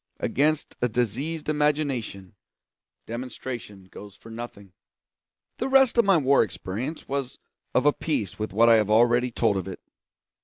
Against a diseased imagination, demonstration goes for nothing. The rest of my war experience was of a piece with what I have already told of it.